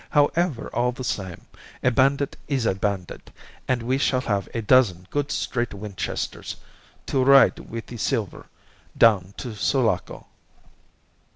However, all the same, a bandit is a bandit, and we shall have a dozen good straight Winchesters to ride with the silver down to Sulaco."